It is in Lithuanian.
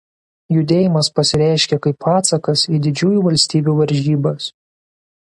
Judėjimas pasireiškė kaip atsakas į didžiųjų valstybių varžybas.